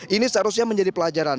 ini seharusnya menjadi pelajaran